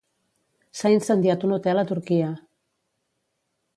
S'ha incendiat un hotel a Turquia